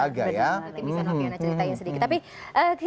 berdua dua lagi bisa novi ana ceritain sedikit